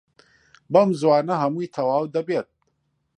بەم زووانە هەمووی تەواو دەبێت.